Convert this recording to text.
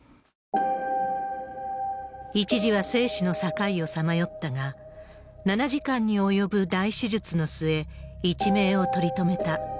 一時は生死の境をさまよったが、７時間に及ぶ大手術の末、一命を取り留めた。